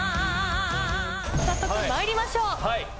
早速まいりましょう。